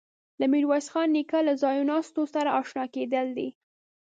له میرویس خان نیکه له ځایناستو سره آشنا کېدل دي.